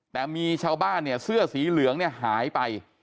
แต่มีชาวบ้านเนี่ยเสื้อสีเหลืองเนี่ยหายไป